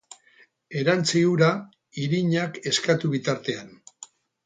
Erantsi ura, irinak eskatu bitartean.